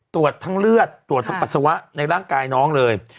ตรวจทั้งเลือดตรวจทั้งปัสสาวะในร่างกายน้องเลย